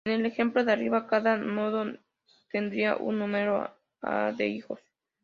En el ejemplo de arriba, cada nodo tendría un número "a" de hijos.